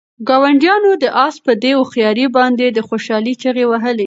ګاونډیانو د آس په دې هوښیارۍ باندې د خوشحالۍ چیغې وهلې.